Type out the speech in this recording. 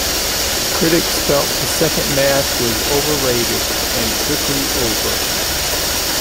Critics felt the second match was overrated and quickly over.